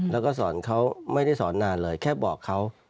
แล้วก็สอนเขาไม่ได้สอนนานเลยแค่บอกเขา